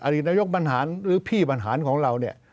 อดีตนายกบัญหาหรือพี่บัญหาของเราเนี่ย